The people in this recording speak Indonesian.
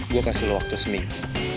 gue kasih lo waktu seminggu